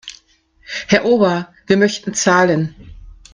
Herr Ober, wir möchten zahlen.